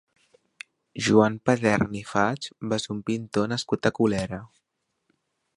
Joan Padern i Faig va ser un pintor nascut a Colera.